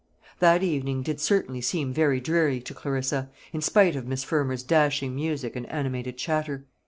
That evening did certainly seem very dreary to Clarissa, in spite of Miss Fermor's dashing music and animated chatter.